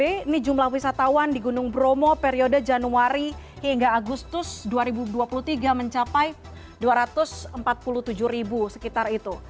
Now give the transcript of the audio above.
ini jumlah wisatawan di gunung bromo periode januari hingga agustus dua ribu dua puluh tiga mencapai dua ratus empat puluh tujuh ribu sekitar itu